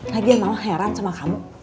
lagian mama heran sama kamu